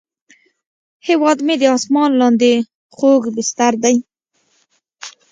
هیواد مې د اسمان لاندې خوږ بستر دی